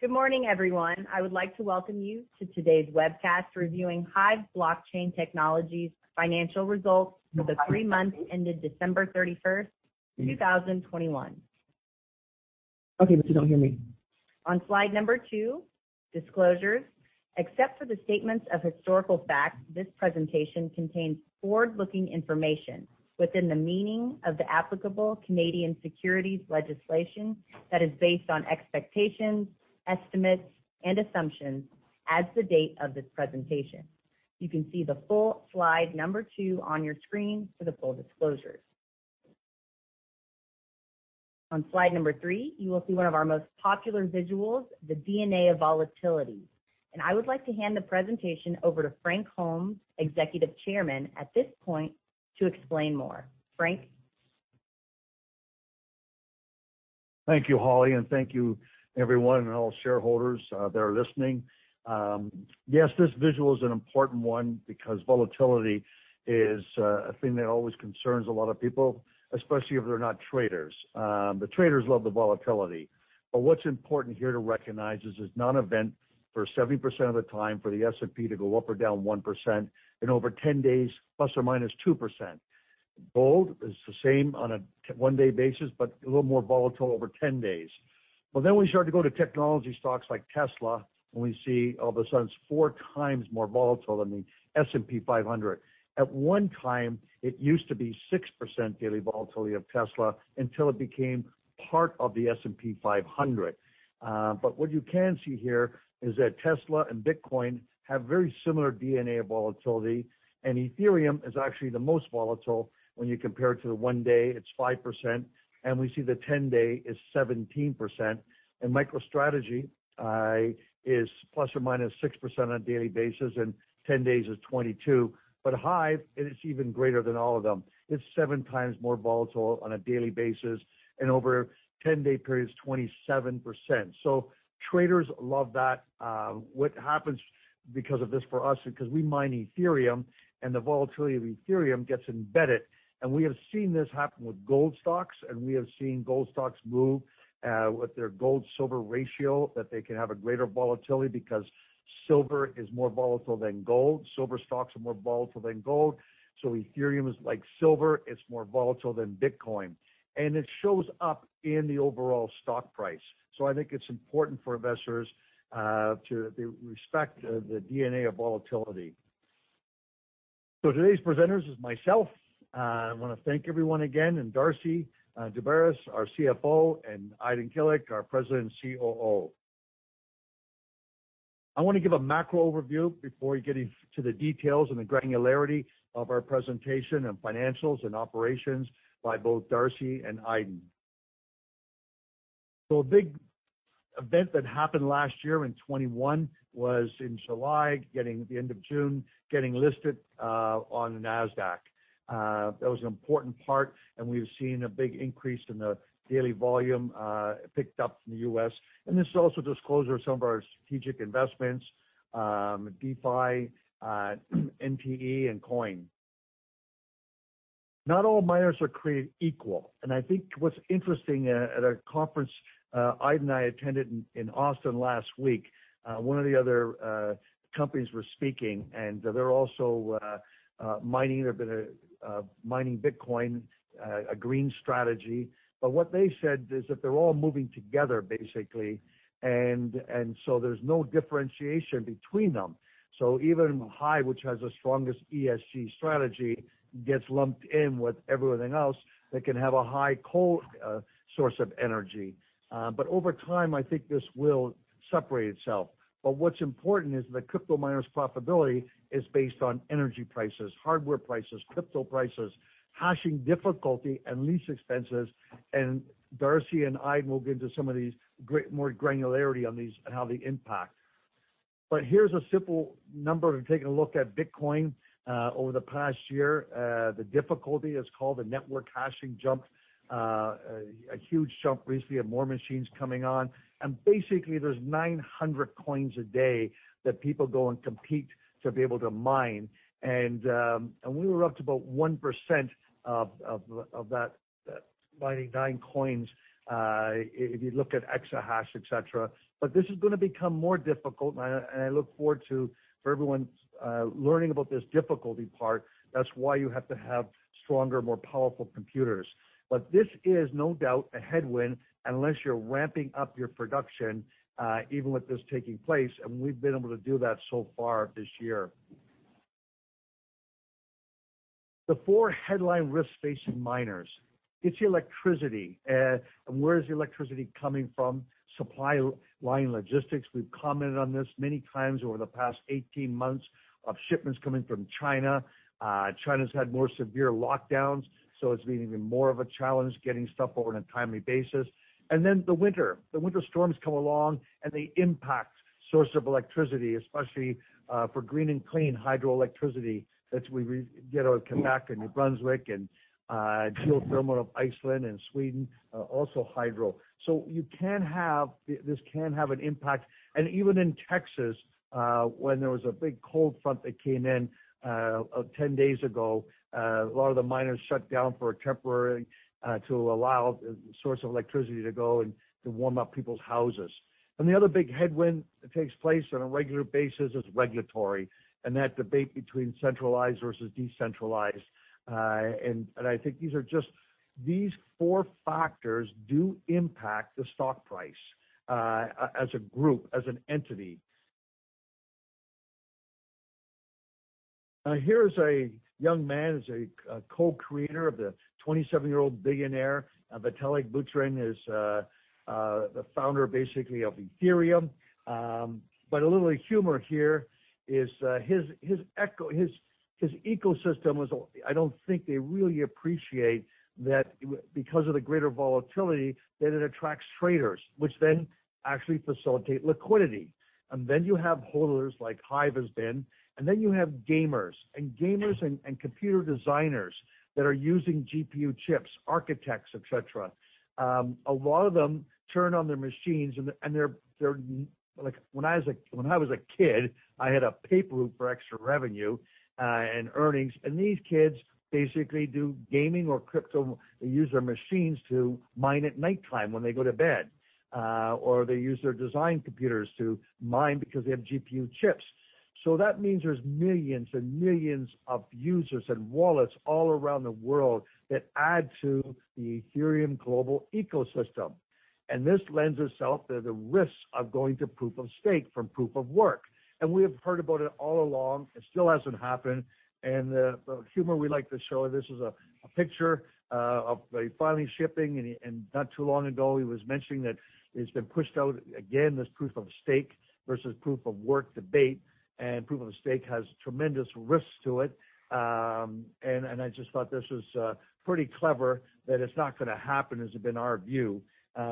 Good morning, everyone. I would like to welcome you to today's webcast reviewing HIVE Digital Technologies' financial results for the three months ended December 31, 2021. On slide number 2, disclosures. Except for the statements of historical facts, this presentation contains forward-looking information within the meaning of the applicable Canadian securities legislation that is based on expectations, estimates, and assumptions as of the date of this presentation. You can see the full slide number 2 on your screen for the full disclosures. On slide number 3, you will see one of our most popular visuals, the DNA of volatility. I would like to hand the presentation over to Frank Holmes, Executive Chairman, at this point to explain more. Frank? Thank you, Holly, and thank you everyone and all shareholders that are listening. Yes, this visual is an important one because volatility is a thing that always concerns a lot of people, especially if they're not traders. The traders love the volatility. What's important here to recognize is it's not uncommon for 70% of the time for the S&P to go up or down 1% and over 10 days, plus or minus 2%. Gold is the same on a one-day basis, but a little more volatile over 10 days. We start to go to technology stocks like Tesla, and we see all of a sudden it's four times more volatile than the S&P 500. At one time, it used to be 6% daily volatility of Tesla until it became part of the S&P 500. What you can see here is that Tesla and Bitcoin have very similar DNA of volatility, and Ethereum is actually the most volatile when you compare it to the one-day; it's 5%, and we see the 10-day is 17%. MicroStrategy is ±6% on a daily basis, and 10 days is 22. HIVE is even greater than all of them. It's seven times more volatile on a daily basis and over 10-day periods, 27%. Traders love that. What happens because of this for us, because we mine Ethereum and the volatility of Ethereum gets embedded. We have seen this happen with gold stocks, and we have seen gold stocks move with their gold-silver ratio, that they can have a greater volatility because silver is more volatile than gold. Silver stocks are more volatile than gold. Ethereum is like silver. It's more volatile than Bitcoin, and it shows up in the overall stock price. I think it's important for investors to respect the DNA of volatility. Today's presenters is myself. I wanna thank everyone again and Darcy Daubaras, our CFO, and Aydin Kilic, our President and COO. I wanna give a macro overview before we get into the details and the granularity of our presentation and financials and operations by both Darcy and Aydin. A big event that happened last year in 2021 was at the end of June, getting listed on Nasdaq. That was an important part, and we've seen a big increase in the daily volume picked up from the U.S. This is also disclosure of some of our strategic investments, DeFi, NFT and Coin. Not all miners are created equal. I think what's interesting at a conference Aydin and I attended in Austin last week one of the other companies were speaking and they're also mining. They've been mining Bitcoin a green strategy. What they said is that they're all moving together, basically. There's no differentiation between them. Even HIVE, which has the strongest ESG strategy, gets lumped in with everything else that can have a high coal source of energy. Over time, I think this will separate itself. What's important is the crypto miners' profitability is based on energy prices, hardware prices, crypto prices, hashing difficulty and lease expenses. Darcy and Aydin will get into some of these more granularity on these and how they impact. Here's a simple number. We've taken a look at Bitcoin over the past year. The difficulty is called a network hashing jump, a huge jump recently, have more machines coming on. We were up to about 1% of that mining 9 coins, if you look at EH/s, et cetera. This is gonna become more difficult. I look forward to for everyone learning about this difficulty part. That's why you have to have stronger, more powerful computers. This is no doubt a headwind unless you're ramping up your production, even with this taking place, and we've been able to do that so far this year. The four headline risks facing miners. It's electricity. And where is the electricity coming from? Supply line logistics. We've commented on this many times over the past 18 months of shipments coming from China. China's had more severe lockdowns, so it's been even more of a challenge getting stuff over on a timely basis. The winter. The winter storms come along, and they impact source of electricity, especially, for green and clean hydroelectricity that we get out of Quebec and New Brunswick and, geothermal of Iceland and Sweden, also hydro. You can have this can have an impact. Even in Texas, when there was a big cold front that came in, 10 days ago, a lot of the miners shut down for a temporary to allow the source of electricity to go and to warm up people's houses. The other big headwind that takes place on a regular basis is regulatory, and that debate between centralized versus decentralized. I think these four factors do impact the stock price, as a group, as an entity. Now, here's a young man who's a co-creator of the 27-year-old billionaire, Vitalik Buterin is the founder basically of Ethereum. But a little humor here is his ecosystem. I don't think they really appreciate that because of the greater volatility, that it attracts traders, which then actually facilitate liquidity. Then you have holders like HIVE has been, and then you have gamers. Gamers and computer designers that are using GPU chips, architects, et cetera. A lot of them turn on their machines. Like when I was a kid, I had a paper route for extra revenue and earnings. These kids basically do gaming or crypto. They use their machines to mine at nighttime when they go to bed, or they use their design computers to mine because they have GPU chips. That means there's millions and millions of users and wallets all around the world that add to the Ethereum global ecosystem. This lends itself to the risks of going to proof of stake from proof of work. We have heard about it all along. It still hasn't happened. The humor we like to show, this is a picture of the finally shipping. Not too long ago, he was mentioning that it's been pushed out. Again, this proof of stake versus proof of work debate. Proof of stake has tremendous risks to it. I just thought this was pretty clever that it's not gonna happen, has been our view,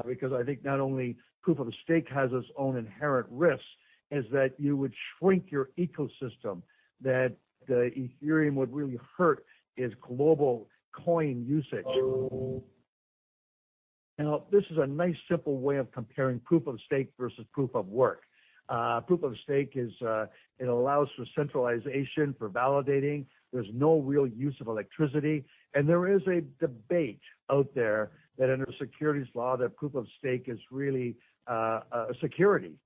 because I think not only proof of stake has its own inherent risks, is that you would shrink your ecosystem, that Ethereum would really hurt its global coin usage. Now, this is a nice, simple way of comparing proof of stake versus proof of work. Proof of stake is it allows for centralization for validating. There's no real use of electricity. There is a debate out there that under securities law, that proof of stake is really a security,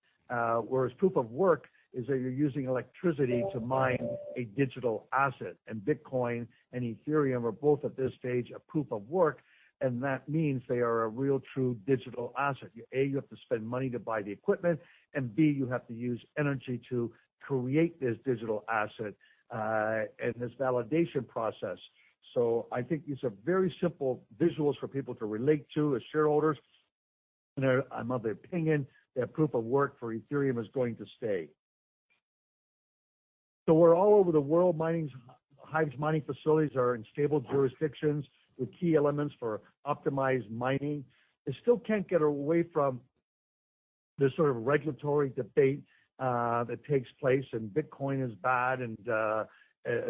whereas Proof of Work is that you're using electricity to mine a digital asset. Bitcoin and Ethereum are both at this stage, a Proof of Work, and that means they are a real, true digital asset. A, you have to spend money to buy the equipment, and B, you have to use energy to create this digital asset, and this validation process. I think these are very simple visuals for people to relate to as shareholders. I'm of the opinion that Proof of Work for Ethereum is going to stay. We're all over the world mining. HIVE's mining facilities are in stable jurisdictions with key elements for optimized mining. They still can't get away from this sort of regulatory debate that takes place, and Bitcoin is bad and a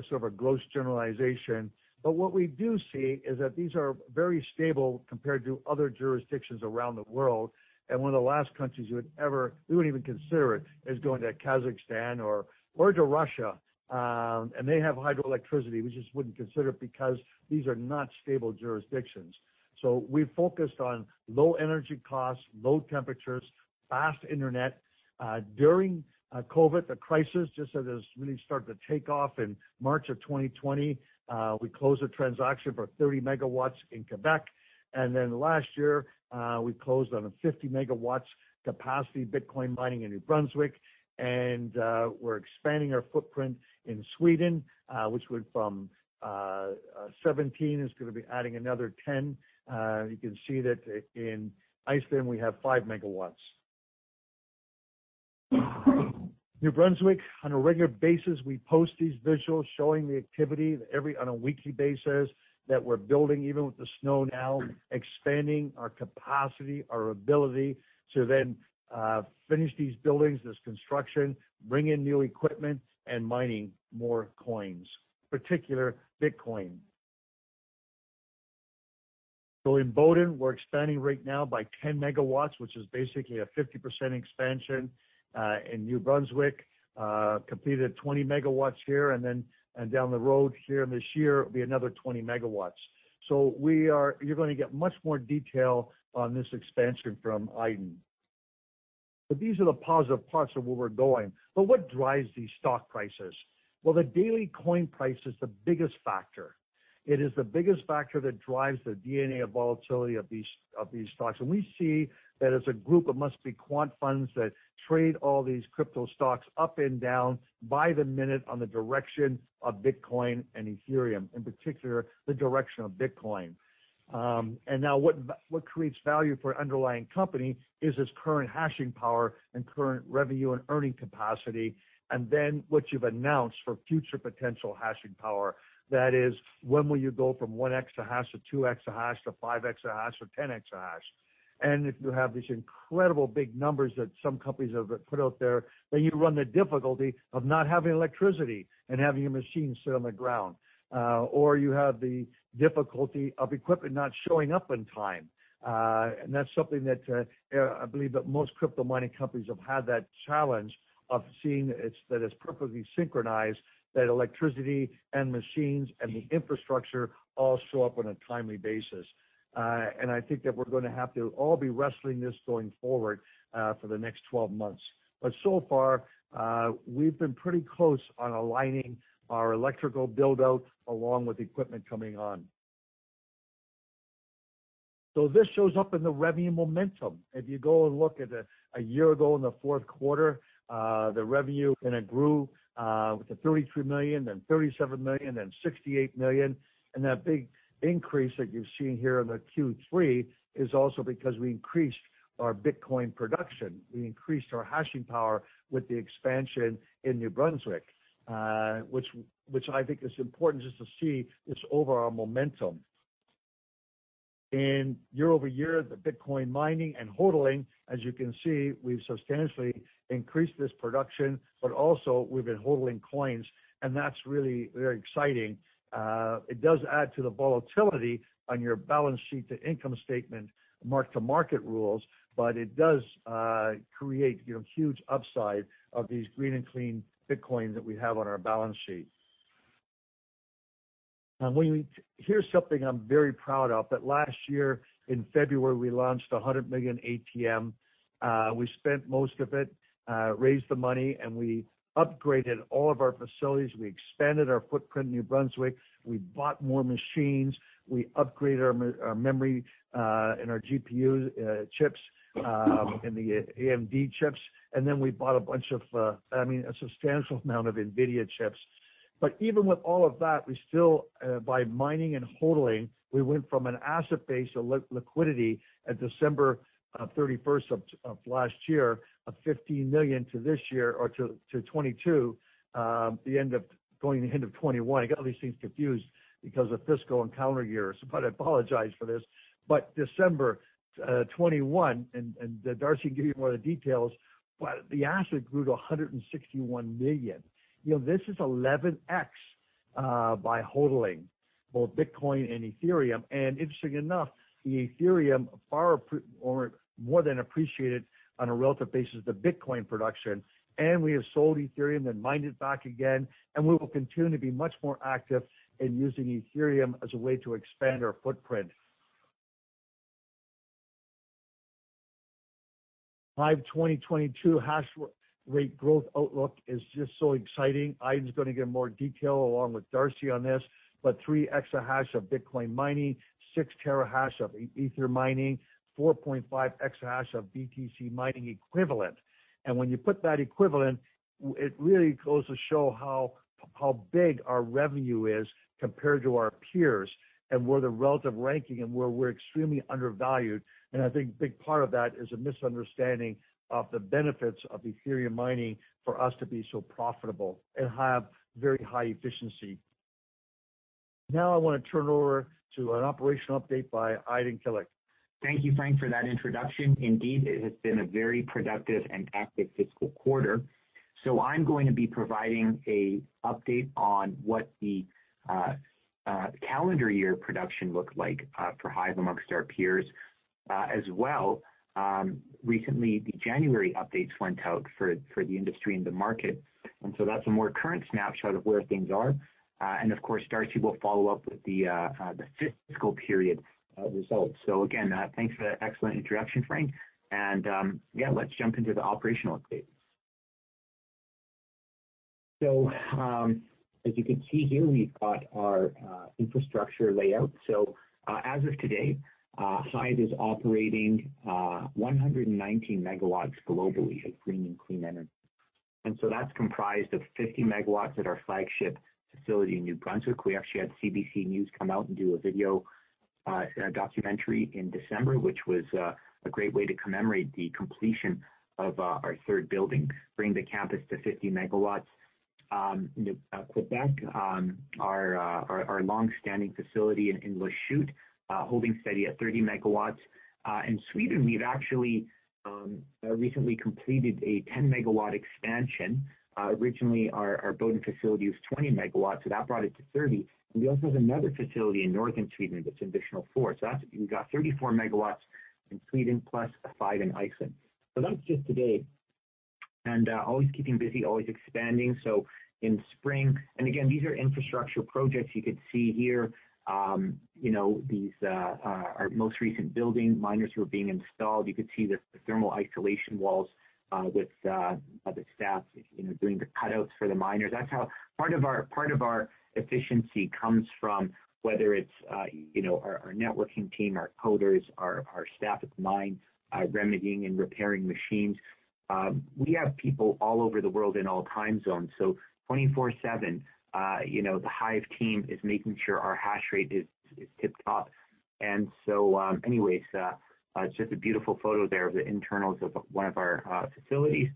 sort of a gross generalization. What we do see is that these are very stable compared to other jurisdictions around the world. One of the last countries you would ever consider is going to Kazakhstan or to Russia. They have hydroelectricity. We just wouldn't consider it because these are not stable jurisdictions. We've focused on low energy costs, low temperatures, fast internet. During COVID, the crisis, just as it was really starting to take off in March of 2020, we closed a transaction for 30 MW in Quebec. Then last year, we closed on a 50 MW capacity Bitcoin mining in New Brunswick. We're expanding our footprint in Sweden, which went from 17, is gonna be adding another 10. You can see that in Iceland, we have 5 MW. In New Brunswick, on a regular basis, we post these visuals showing the activity on a weekly basis, that we're building, even with the snow now, expanding our capacity, our ability to then finish these buildings, this construction, bring in new equipment and mining more coins, particularly Bitcoin. In Boden, we're expanding right now by 10 MW, which is basically a 50% expansion in New Brunswick, completed 20 MW here. Then down the road here this year, it'll be another 20 MW. You're gonna get much more detail on this expansion from Aydin. These are the positive parts of where we're going. What drives these stock prices? Well, the daily coin price is the biggest factor. It is the biggest factor that drives the DNA of volatility of these stocks. We see that as a group, it must be quant funds that trade all these crypto stocks up and down by the minute on the direction of Bitcoin and Ethereum, in particular, the direction of Bitcoin. Now what creates value for an underlying company is its current hashing power and current revenue and earning capacity, and then what you've announced for future potential hashing power. That is, when will you go from one EH/s to two EH/s to five EH/s or ten EH/s? If you have these incredible big numbers that some companies have put out there, then you run the difficulty of not having electricity and having your machines sit on the ground, or you have the difficulty of equipment not showing up on time. That's something that I believe that most crypto mining companies have had that challenge that it's perfectly synchronized, that electricity and machines and the infrastructure all show up on a timely basis. I think that we're gonna have to all be wrestling this going forward, for the next 12 months. So far, we've been pretty close on aligning our electrical build out along with equipment coming on. This shows up in the revenue momentum. If you go and look at it a year ago in the fourth quarter, the revenue kind of grew with the 33 million, then 37 million, then 68 million. That big increase that you're seeing here in the Q3 is also because we increased our Bitcoin production. We increased our hashing power with the expansion in New Brunswick, which I think is important just to see this overall momentum. Year-over-year, the Bitcoin mining and HODLing, as you can see, we've substantially increased this production, but also we've been HODLing coins, and that's really very exciting. It does add to the volatility on your balance sheet, the income statement, mark-to-market rules, but it does create, you know, huge upside of these green and clean Bitcoin that we have on our balance sheet. Here's something I'm very proud of, that last year in February, we launched 100 million ATM. We spent most of it, raised the money, and we upgraded all of our facilities. We expanded our footprint in New Brunswick. We bought more machines. We upgraded our memory, and our GPU chips, and the AMD chips. Then we bought a bunch of, I mean, a substantial amount of NVIDIA chips. Even with all of that, we still, by mining and HODLing, we went from an asset base of liquidity at December 31 of last year of 15 million to this year or to 22, the end of going into end of 2021. I got all these things confused because of fiscal and calendar years. I apologize for this. December 2021, Darcy can give you more of the details, but the asset grew to 161 million. You know, this is 11x by HODLing both Bitcoin and Ethereum. Interestingly enough, the Ethereum far more appreciated on a relative basis than the Bitcoin production. We have sold Ethereum and mined it back again, and we will continue to be much more active in using Ethereum as a way to expand our footprint. HIVE 2022 hashrate growth outlook is just so exciting. Aydin is gonna give more detail along with Darcy on this. Three EH/s of Bitcoin mining, 6 TH/s of Ethereum mining, 4.5 EH/s of BTC mining equivalent. When you put that equivalent, it really goes to show how big our revenue is compared to our peers and where the relative ranking and where we're extremely undervalued. I think big part of that is a misunderstanding of the benefits of Ethereum mining for us to be so profitable and have very high efficiency. Now I wanna turn it over to an operational update by Aydin Kilic. Thank you, Frank, for that introduction. Indeed, it has been a very productive and active fiscal quarter. I'm going to be providing an update on what the calendar year production looked like for HIVE among our peers. As well, recently, the January updates went out for the industry and the market, and that's a more current snapshot of where things are. Of course, Darcy will follow up with the fiscal period results. Again, thanks for that excellent introduction, Frank. Yeah, let's jump into the operational update. As you can see here, we've got our infrastructure layout. As of today, HIVE is operating 119 MW globally of green and clean energy. That's comprised of 50 MW at our flagship facility in New Brunswick. We actually had CBC News come out and do a video documentary in December, which was a great way to commemorate the completion of our third building, bringing the campus to 50 MW. In Quebec, our long-standing facility in Lachute holding steady at 30 MW. In Sweden, we've actually recently completed a 10 MW expansion. Originally our Boden facility was 20 MW, so that brought it to 30. We also have another facility in northern Sweden that's an additional 4. That's 34 MW in Sweden plus 5 in Iceland. That's just today. Always keeping busy, always expanding. These are infrastructure projects. You could see here, you know, these, our most recent building, miners were being installed. You could see the thermal isolation walls, with the staff, you know, doing the cutouts for the miners. That's how part of our efficiency comes from, whether it's, you know, our networking team, our coders, our staff at the mine, remedying and repairing machines. We have people all over the world in all time zones. 24/7, you know, the HIVE team is making sure our hash rate is tip-top. Anyways, it's just a beautiful photo there of the internals of one of our facilities.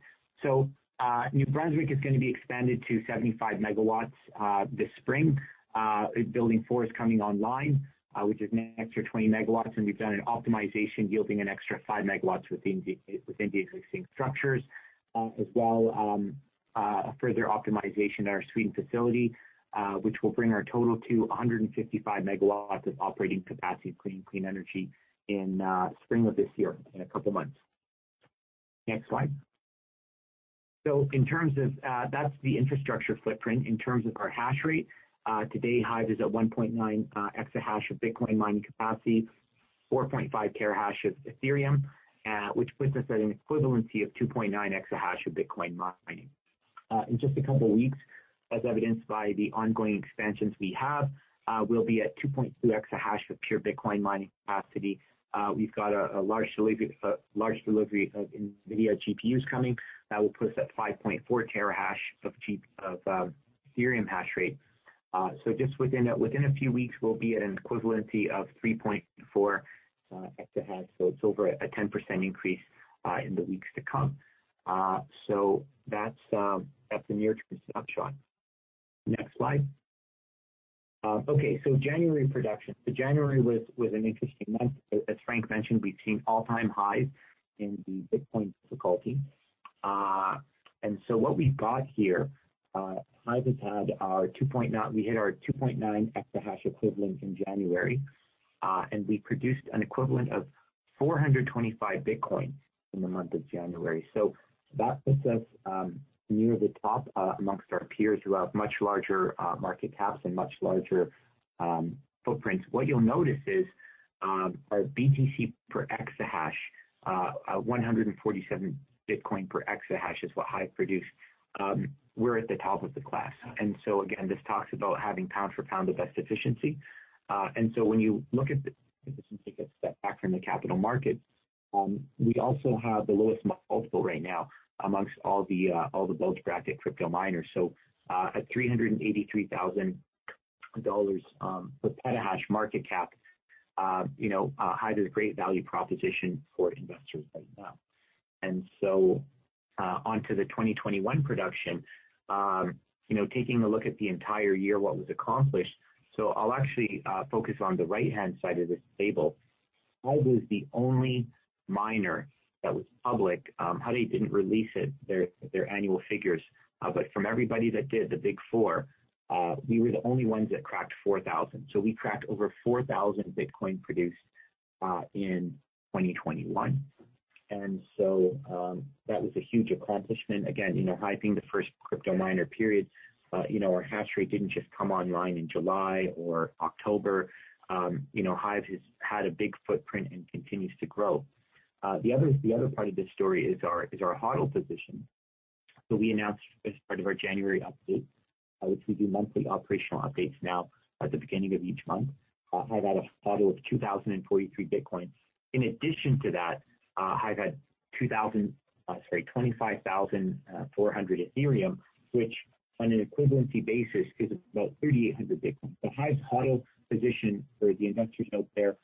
New Brunswick is gonna be expanded to 75 MW, this spring. Building four is coming online, which is an extra 20 MW, and we've done an optimization yielding an extra 5 MW within the existing structures. As well, a further optimization at our Sweden facility, which will bring our total to 155 MW of operating capacity of clean energy in spring of this year, in a couple months. Next slide. That's the infrastructure footprint. In terms of our hash rate, today HIVE is at 1.9 EH/s of Bitcoin mining capacity, 4.5 TH/s of Ethereum, which puts us at an equivalency of 2.9 EH/s of Bitcoin mining. In just a couple of weeks, as evidenced by the ongoing expansions we have, we'll be at 2.2 EH/s of pure Bitcoin mining capacity. We've got a large delivery of NVIDIA GPUs coming that will put us at 5.4 TH/s of Ethereum hash rate. Just within a few weeks, we'll be at an equivalency of 3.4 EH/s. It's over a 10% increase in the weeks to come. That's the near-term snapshot. Next slide. January production. January was an interesting month. As Frank mentioned, we've seen all-time highs in the Bitcoin difficulty. What we've got here, we hit our 2.9 EH/s equivalent in January, and we produced an equivalent of 425 Bitcoin in the month of January. That puts us near the top among our peers who have much larger market caps and much larger footprints. What you'll notice is our BTC per exahash, 147 Bitcoin per EH/s is what HIVE produced. We're at the top of the class. Again, this talks about having pound for pound the best efficiency. Take a step back from the capital markets, we also have the lowest multiple right now among all the bulge bracket crypto miners. At $383,000 PH/s market cap, you know, HIVE is a great value proposition for investors right now. Onto the 2021 production, you know, taking a look at the entire year, what was accomplished. I'll actually focus on the right-hand side of this table. HIVE was the only miner that was public. Hut 8 didn't release it, their annual figures. From everybody that did, the Big Four, we were the only ones that cracked 4,000. We cracked over 4,000 Bitcoin produced in 2021. That was a huge accomplishment. Again, you know, HIVE being the first crypto miner, period, you know, our hash rate didn't just come online in July or October. You know, HIVE has had a big footprint and continues to grow. The other part of this story is our HODL position that we announced as part of our January update, which we do monthly operational updates now at the beginning of each month. HIVE had a HODL of 2,043 Bitcoin. In addition to that, HIVE had 25,400 Ethereum, which on an equivalency basis gives us about 3,800 Bitcoin. HIVE's HODL position for the investors out there,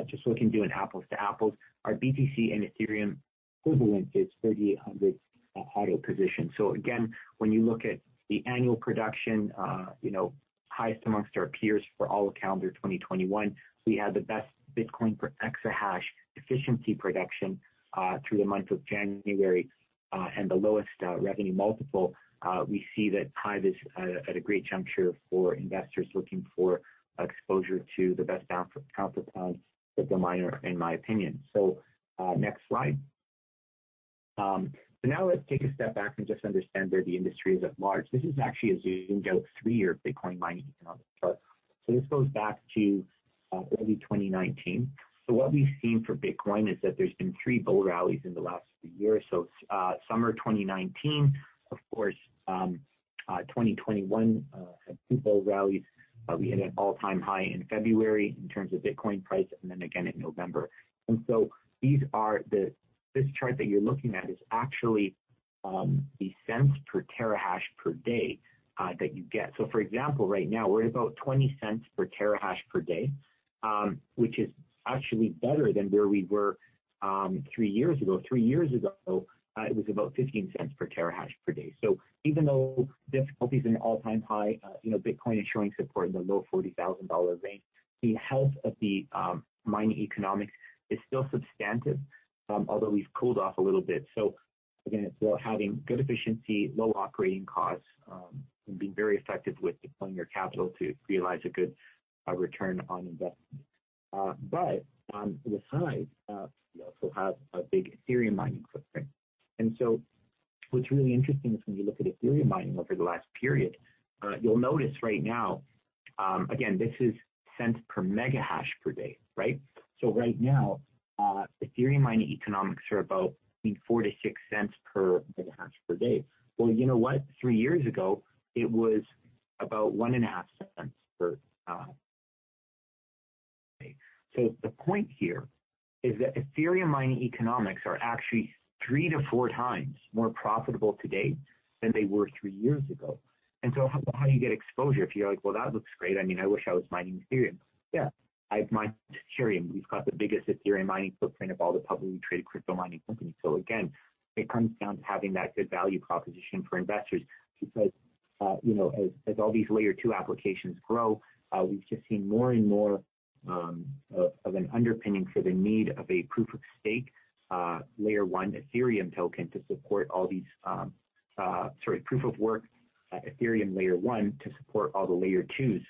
just so we can do an apples to apples, our BTC and Ethereum equivalent is 3,800 HODL position. Again, when you look at the annual production, you know, highest amongst our peers for all of calendar 2021, we had the best Bitcoin per exahash efficiency production through the month of January and the lowest revenue multiple. We see that HIVE is at a great juncture for investors looking for exposure to the best pound for pound crypto miner, in my opinion. Next slide. Now let's take a step back and just understand where the industry is at large. This is actually a zoomed out three-year Bitcoin mining economics chart. This goes back to early 2019. What we've seen for Bitcoin is that there's been 3 bull rallies in the last three years. Summer 2019, of course, 2021 had 2 bull rallies. We hit an all-time high in February in terms of Bitcoin price and then again in November. This chart that you're looking at is actually the cents per terahash per day that you get. For example, right now we're at about $0.20 TH/s per day, which is actually better than where we were three years ago. Three years ago, it was about $0.15 TH/s per day. Even though difficulty is an all-time high, you know, Bitcoin is showing support in the low $40,000 range. The health of the mining economics is still substantive, although we've cooled off a little bit. Again, it's about having good efficiency, low operating costs, and being very effective with deploying your capital to realize a good return on investment. On the side, we also have a big Ethereum mining footprint. What's really interesting is when you look at Ethereum mining over the last period, you'll notice right now, again, this is cents per megahash per day, right? Right now, Ethereum mining economics are about between $0.04-$0.06 MH/s per day. Well, you know what? Three years ago, it was about $1.5 MH/s Per day. The point here is that Ethereum mining economics are actually 3-4 times more profitable today than they were three years ago. How do you get exposure? If you're like, "Well, that looks great. I mean, I wish I was mining Ethereum." Yeah, I mine Ethereum. We've got the biggest Ethereum mining footprint of all the publicly traded crypto mining companies. Again, it comes down to having that good value proposition for investors because, you know, as all these Layer 2 applications grow, we've just seen more and more of an underpinning for the need of a proof of stake Layer 1 Ethereum token to support all these. Sorry, Proof of Work Ethereum Layer 1 to support all the Layer 2s,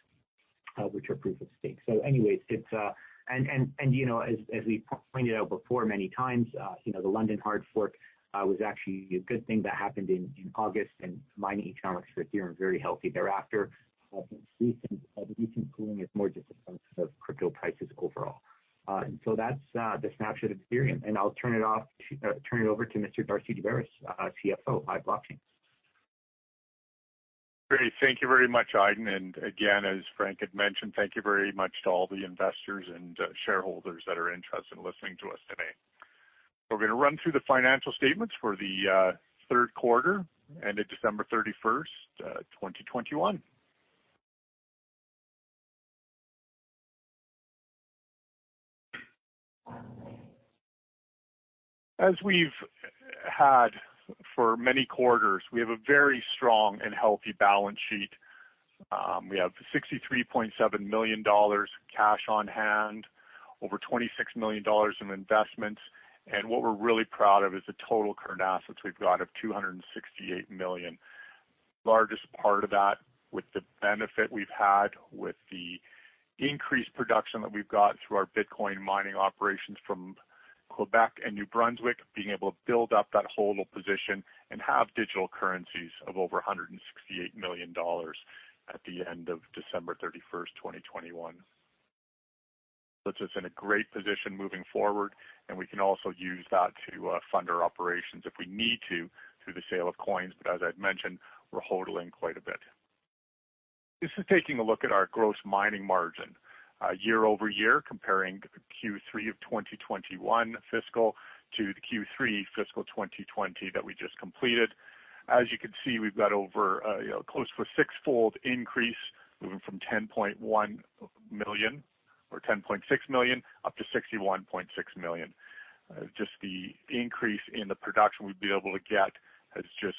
which are proof of stake. Anyways, you know, as we pointed out before many times, you know, the London Hard Fork was actually a good thing that happened in August, and mining economics for Ethereum were very healthy thereafter. The recent cooling is more just a function of crypto prices overall. That's the snapshot of Ethereum. I'll turn it over to Mr. Darcy Daubaras, CFO of HIVE Digital Technologies. Great. Thank you very much, Aydin. Again, as Frank had mentioned, thank you very much to all the investors and shareholders that are interested in listening to us today. We're gonna run through the financial statements for the third quarter ended December 31, 2021. As we've had for many quarters, we have a very strong and healthy balance sheet. We have $63.7 million cash on hand, over $26 million in investments, and what we're really proud of is the total current assets we've got of $268 million. Largest part of that with the benefit we've had with the increased production that we've got through our Bitcoin mining operations from Quebec and New Brunswick, being able to build up that hold position and have digital currencies of over $168 million at the end of December 31, 2021. Puts us in a great position moving forward, and we can also use that to fund our operations if we need to, through the sale of coins. As I'd mentioned, we're holding quite a bit. This is taking a look at our gross mining margin, year-over-year, comparing Q3 of fiscal 2021 to the Q3 fiscal 2020 that we just completed. As you can see, we've got over close to a six-fold increase, moving from 10.1 million or 10.6 million, up to 61.6 million. Just the increase in the production we've been able to get has just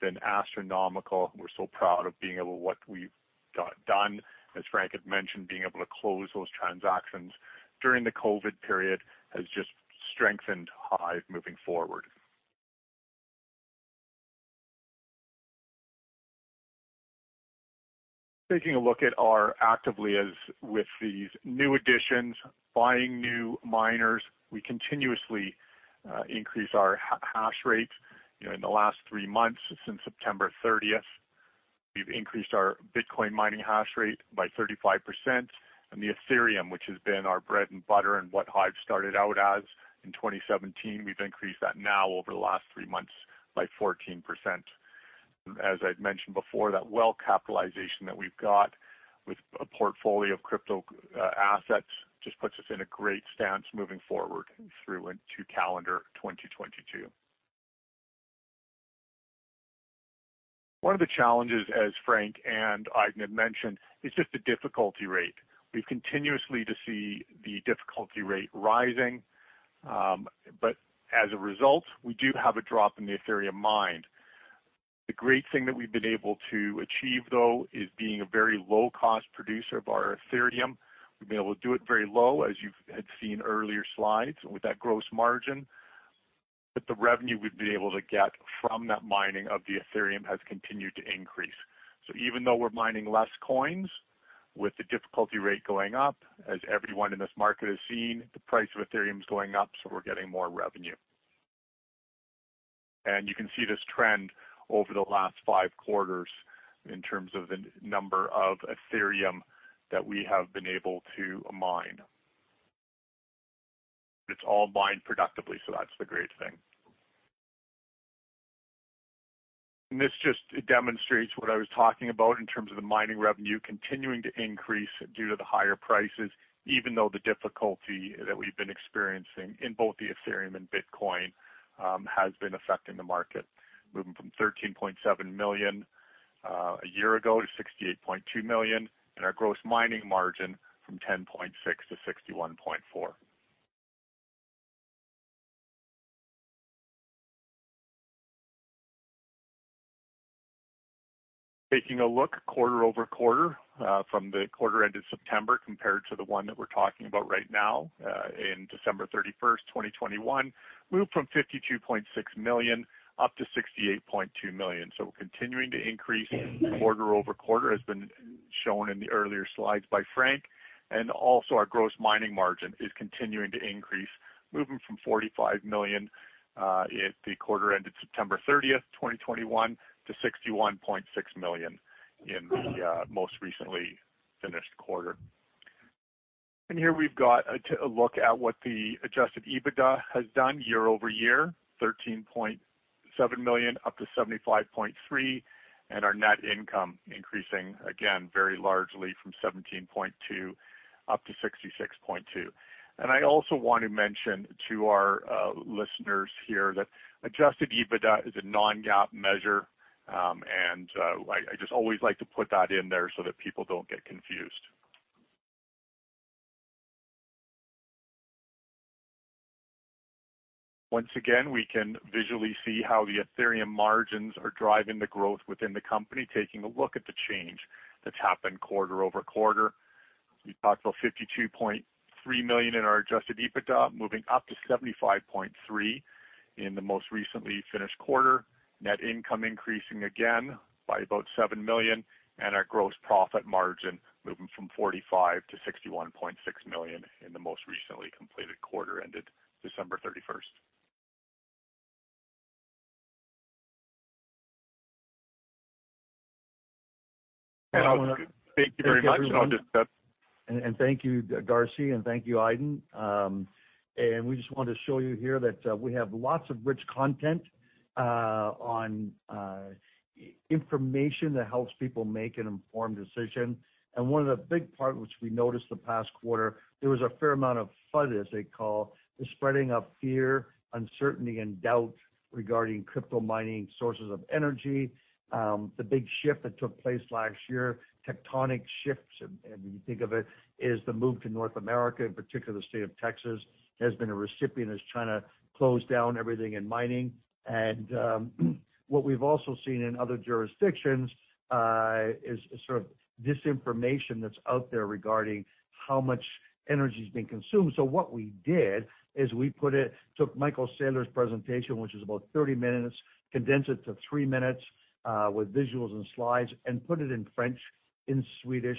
been astronomical. We're so proud of being able to do what we've got done. As Frank had mentioned, being able to close those transactions during the COVID period has just strengthened HIVE moving forward. Taking a look at our active assets with these new additions, buying new miners, we continuously increase our hash rates. You know, in the last three months, since September thirtieth, we've increased our Bitcoin mining hash rate by 35%. The Ethereum, which has been our bread and butter and what HIVE started out as in 2017, we've increased that now over the last three months by 14%. As I'd mentioned before, that well-capitalization that we've got with a portfolio of crypto assets just puts us in a great stance moving forward through into calendar 2022. One of the challenges, as Frank and Aydin had mentioned, is just the difficulty rate. We continue to see the difficulty rate rising, but as a result, we do have a drop in the Ethereum mined. The great thing that we've been able to achieve, though, is being a very low-cost producer of our Ethereum. We've been able to do it very low, as you had seen earlier slides with that gross margin. The revenue we've been able to get from that mining of the Ethereum has continued to increase. Even though we're mining less coins, with the difficulty rate going up, as everyone in this market has seen, the price of Ethereum is going up, so we're getting more revenue. You can see this trend over the last five quarters in terms of the number of Ethereum that we have been able to mine. It's all mined productively, so that's the great thing. This just demonstrates what I was talking about in terms of the mining revenue continuing to increase due to the higher prices, even though the difficulty that we've been experiencing in both the Ethereum and Bitcoin has been affecting the market, moving from 13.7 million a year ago to 68.2 million, and our gross mining margin from 10.6% to 61.4%. Taking a look quarter-over-quarter, from the quarter end of September compared to the one that we're talking about right now, in December 31, 2021, we went from 52.6 million up to 68.2 million. We're continuing to increase quarter-over-quarter, as been shown in the earlier slides by Frank. Our gross mining margin is continuing to increase, moving from 45 million in the quarter ended September 30, 2021, to 61.6 million in the most recently finished quarter. Here we've got a look at what the adjusted EBITDA has done year-over-year, 13.7 million up to 75.3 million, and our net income increasing again very largely from 17.2 million up to 66.2 million. I also want to mention to our listeners here that adjusted EBITDA is a non-GAAP measure, and I just always like to put that in there so that people don't get confused. Once again, we can visually see how the Ethereum margins are driving the growth within the company, taking a look at the change that's happened quarter-over-quarter. We talked about 52.3 million in our adjusted EBITDA, moving up to 75.3 in the most recently finished quarter. Net income increasing again by about 7 million, and our gross profit margin moving from 45 million to 61.6 million in the most recently completed quarter ended December thirty-first. Thank you very much. I'll just Thank you, Darcy, and thank you, Aydin. We just wanted to show you here that we have lots of rich content on information that helps people make an informed decision. One of the big part which we noticed the past quarter, there was a fair amount of FUD, as they call, the spreading of fear, uncertainty, and doubt regarding crypto mining sources of energy. The big shift that took place last year, tectonic shifts, if you think of it, is the move to North America, in particular, the state of Texas, has been a recipient as China closed down everything in mining. What we've also seen in other jurisdictions is sort of disinformation that's out there regarding how much energy is being consumed. What we did is we took Michael Saylor's presentation, which is about 30 minutes, condensed it to three minutes, with visuals and slides and put it in French, in Swedish,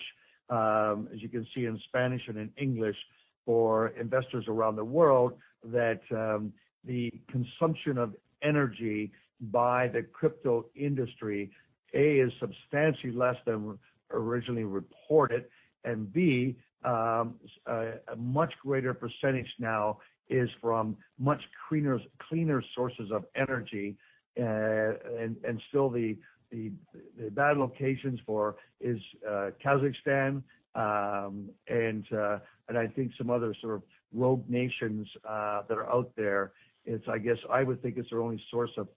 as you can see in Spanish and in English for investors around the world that the consumption of energy by the crypto industry, A, is substantially less than originally reported, and B, a much greater percentage now is from much cleaner sources of energy. Still the bad locations for is Kazakhstan, and I think some other sort of rogue nations that are out there. It's, I guess, I would think it's their only source of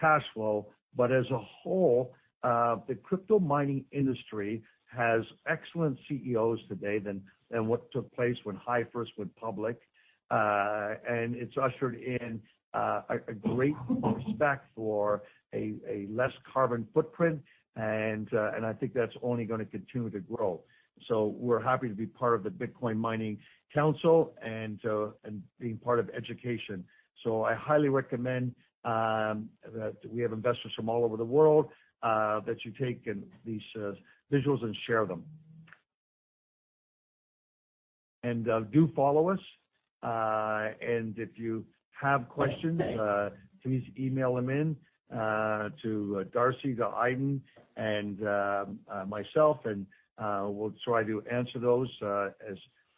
cash flow. As a whole, the crypto mining industry has excellent CEOs today than what took place when HIVE first went public. It's ushered in a great respect for a less carbon footprint, and I think that's only gonna continue to grow. We're happy to be part of the Bitcoin Mining Council and being part of education. I highly recommend that we have investors from all over the world that you take in these visuals and share them. Do follow us. If you have questions, please email them in to Darcy, to Aydin, and myself, and we'll try to answer those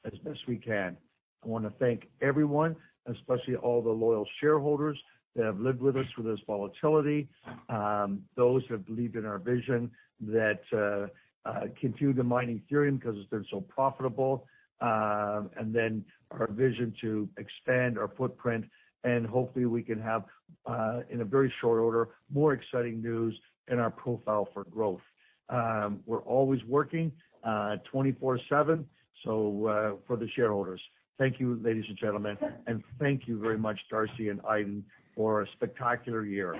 as best we can. I wanna thank everyone, especially all the loyal shareholders that have lived with us through this volatility, those that believed in our vision that continued to mine Ethereum because it's been so profitable, and then our vision to expand our footprint, and hopefully we can have, in a very short order, more exciting news in our profile for growth. We're always working, 24/7, so, for the shareholders. Thank you, ladies and gentlemen. Thank you very much, Darcy and Aydin, for a spectacular year.